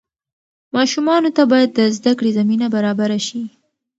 ماشومانو ته باید د زدهکړې زمینه برابره شي.